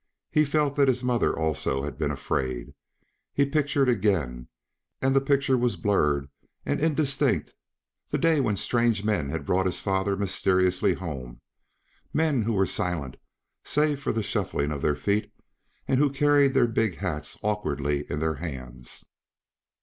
He felt that his mother, also, had been afraid. He pictured again and he picture was blurred and indistinct the day when strange men had brought his father mysteriously home; men who were silent save for the shuffling of their feet, and who carried their big hats awkwardly in their hands.